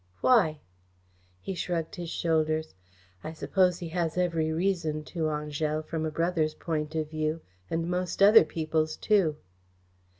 "Why?" He shrugged his shoulders. "I suppose he has every reason to, Angèle, from a brother's point of view, and most other people's, too."